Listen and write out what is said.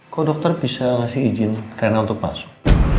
kok dokter bisa ngasih izin zainal untuk masuk